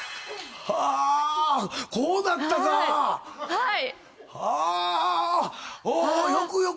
はい。